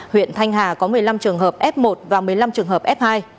huyện thanh hà có một mươi năm trường hợp f một và một mươi năm trường hợp f hai